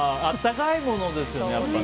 あったかいものですよね。